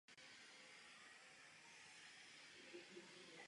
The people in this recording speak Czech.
Jsem znepokojen.